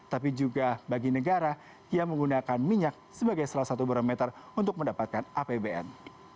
tapi juga bagi negara yang menggunakan minyak sebagai salah satu barometer untuk mendapatkan apbn